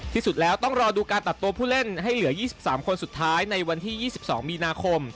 ที่สุดแล้วต้องรอดูการตัดตัวผู้เล่นให้เหลือ๒๓คนสุดท้ายในวันที่๒๒มีนาคม